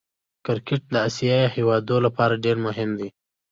کرکټ د آسيايي هېوادو له پاره ډېر مهم دئ.